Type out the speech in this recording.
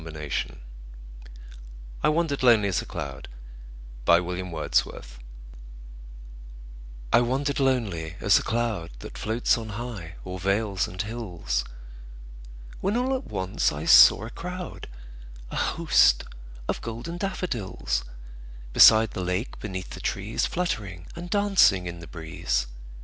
William Wordsworth I Wandered Lonely As a Cloud I WANDERED lonely as a cloud That floats on high o'er vales and hills, When all at once I saw a crowd, A host, of golden daffodils; Beside the lake, beneath the trees, Fluttering and dancing in the breeze.